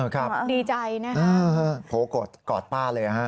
ครับดีใจนะครับโอ้โฮกอดป้าเลยครับ